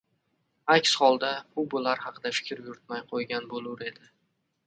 aks holda, u bular haqida fikr yuritmay qo‘ygan bo‘lur edi.